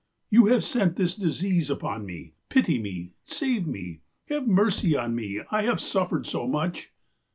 THE MEDICINE MEN 95 ''' You have sent this disease upon me. Pity me. Save me ! Have mercy on me ! I have suffered so much.'